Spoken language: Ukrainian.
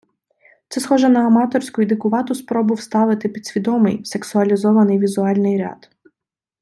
Це схоже на аматорську і дикувату спробу вставити підсвідомий, сексуалізований візуальний ряд.